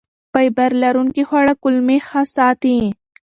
فایبر لرونکي خواړه کولمې ښه ساتي.